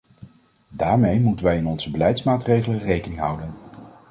Daarmee moeten wij in onze beleidsmaatregelen rekening houden.